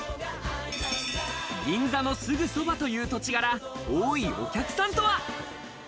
銀座のすぐそばという土地柄、多いお客さんとは？